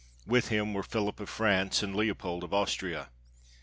With him were PhiUp of France and Leopold of Austria.